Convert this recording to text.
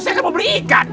saya kan mau beli ikan